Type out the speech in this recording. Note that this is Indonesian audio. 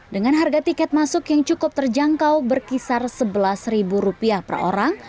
dengan harga tiket masuk yang cukup terjangkau berkisar rp sebelas per orang